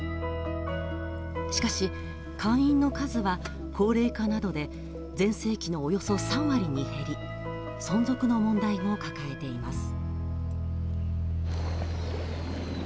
しかし、会員の数は高齢化などで全盛期のおよそ３割に減り、存続の問題も抱えています。